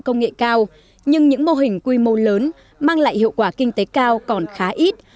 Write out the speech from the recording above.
công nghệ cao nhưng những mô hình quy mô lớn mang lại hiệu quả kinh tế cao còn khá ít